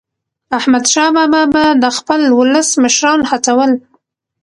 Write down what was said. احمدشاه بابا به د خپل ولس مشران هڅول.